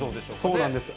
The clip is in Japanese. そうなんです。